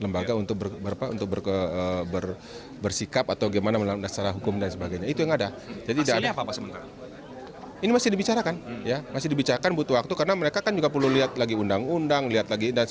bapak komjen paul soehardi alius